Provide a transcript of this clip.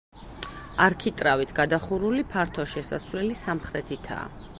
არქიტრავით გადახურული ფართო შესასვლელი სამხრეთითაა.